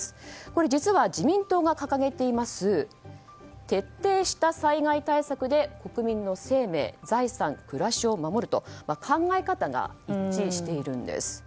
これ実は自民党が掲げている徹底した災害対策で国民の生命・財産・暮らしを守ると、考え方が一致しているんです。